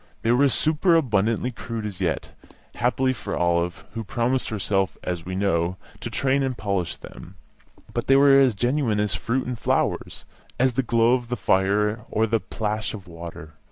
They were superabundantly crude as yet happily for Olive, who promised herself, as we know, to train and polish them but they were as genuine as fruit and flowers, as the glow of the fire or the plash of water.